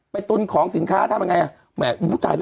ไปตุ๊นของสินค้าที่ทำยังไง